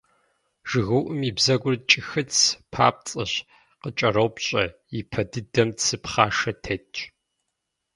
ЖыгыуӀум и бзэгур кӀыхыц, папцӀэщ, къыкӀэропщӀэ, и пэ дыдэм цы пхъашэ тетщ.